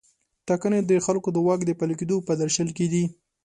ټاکنې د خلکو د واک د پلي کیدو په درشل کې دي.